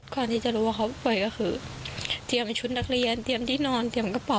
ก่อนที่จะรู้ว่าเขาป่วยก็คือเตรียมชุดนักเรียนเตรียมที่นอนเตรียมกระเป๋